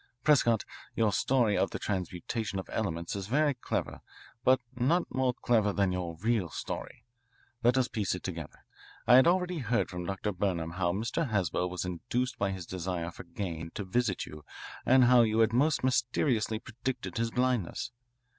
Prescott, your story of the transmutation of elements is very clever, but not more clever than your real story. Let us piece it together. I had already heard from Dr. Burnham how Mr. Haswell was induced by his desire for gain to visit you and how you had most mysteriously predicted his blindness.